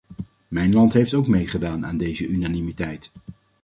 Mijn land heeft ook meegedaan aan deze unanimiteit.